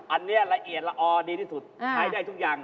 อันนี้ละเอียดละออดีที่สุดใช้ได้ทุกอย่าง